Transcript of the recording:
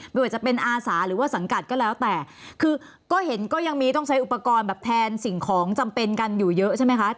ไม่ว่าจะเป็นอาสาหรือว่าสังกัดก็แล้วแต่คือก็เห็นก็ยังมีต้องใช้อุปกรณ์แบบแทนสิ่งของจำเป็นกันอยู่เยอะใช่ไหมคะ